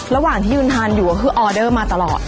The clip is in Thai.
ระหว่างที่ยืนทานอยู่ก็คือออเดอร์มาตลอด